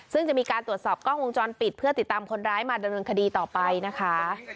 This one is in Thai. ซึ่งจะมีการตรวจสอบกล้องวงจรปิดเพื่อติดตามคนร้ายมาดำเนินคดีต่อไปนะคะ